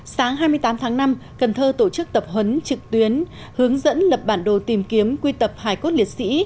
sáng hai mươi tám tháng năm cần thơ tổ chức tập huấn trực tuyến hướng dẫn lập bản đồ tìm kiếm quy tập hải cốt liệt sĩ